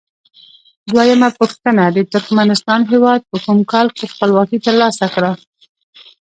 دویمه پوښتنه: د ترکمنستان هیواد په کوم کال کې خپلواکي تر لاسه کړه؟